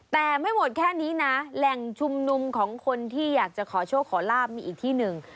แต่ไม่หมดแค่นี้นะแหล่งชุมนุมของคนที่อยากจะขอโชคขอลาบมีอีกที่หนึ่ง